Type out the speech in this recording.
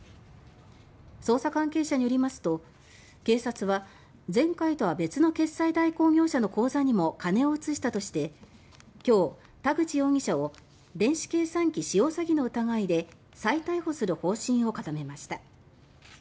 捜査関係者によりますと警察は、前回とは別の決済代行業者の口座にも金を移したとして今日、田口容疑者を電子計算機使用詐欺の疑いで再逮捕する方針を固めました。